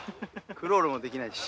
クロールもできないし。